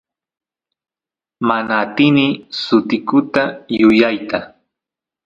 mana atini sutikuta yuyayta